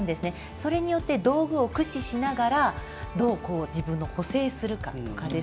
それによって道具を駆使しながらどう自分を補正するか。